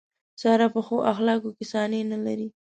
ساره په ښو اخلاقو کې ثاني نه لري.